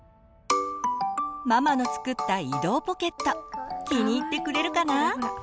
ママの作った移動ポケット気に入ってくれるかな？